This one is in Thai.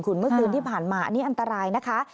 เมื่อคืนที่ผ่านมาอันนี้อันตรายนะคะ